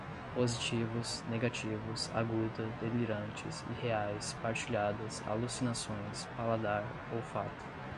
positivos, negativos, aguda, delirantes, irreais, partilhadas, alucinações, paladar, olfato